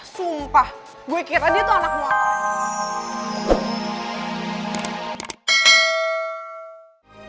sumpah gue kira dia tuh anak muda